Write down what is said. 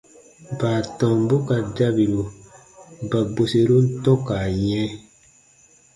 Baatɔmbu ka dabiru ba bweserun tɔ̃ka yɛ̃.